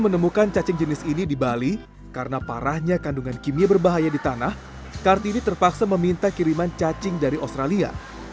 menemukan cacing jenis ini di bali karena parahnya kandungan kimia berbahaya di tanah kartini terpaksa meminta kiriman cacing dari australia